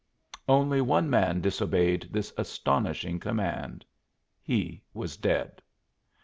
Only one man disobeyed this astonishing command! He was dead.